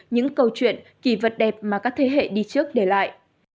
những câu chuyện kỳ vật đẹp mà các thế hệ đi trước để lại